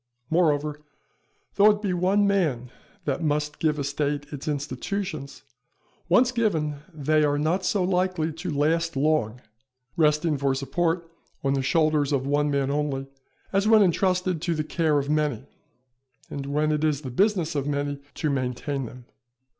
Moreover, though it be one man that must give a State its institutions, once given they are not so likely to last long resting for support on the shoulders of one man only, as when entrusted to the care of many, and when it is the business of many to maintain them.